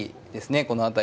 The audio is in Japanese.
この辺り。